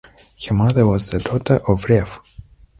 Her mother was the daughter of Rev.